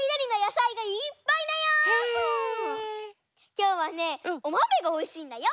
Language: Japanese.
きょうはねおまめがおいしいんだよ。